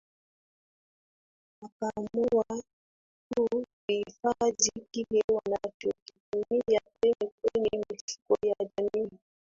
wakaamua tu kuhifadhi kile wanachokitumia kwenye kwenye mifuko ya jamii